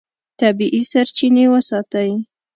طبیعي سرچینې وساتئ.